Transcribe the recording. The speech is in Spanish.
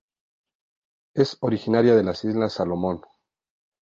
Es originaria de las Islas Salomon.